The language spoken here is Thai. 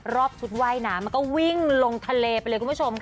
ชุดว่ายน้ำมันก็วิ่งลงทะเลไปเลยคุณผู้ชมค่ะ